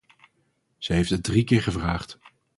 Ze heeft het drie keer gevraagd.